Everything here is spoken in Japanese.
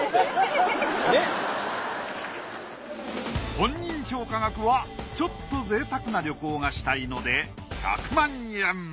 本人評価額はちょっとぜいたくな旅行がしたいので１００万円